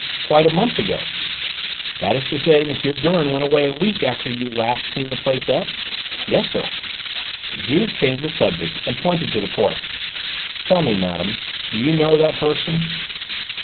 "Quite a month ago." "That is to say M. Gurn went away a week after you last cleaned the place up?" "Yes, sir." Juve changed the subject, and pointed to the corpse. "Tell me, madame, did you know that person?"